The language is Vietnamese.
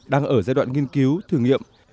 đang ở giai đoạn nghiên cứu thử nghiệm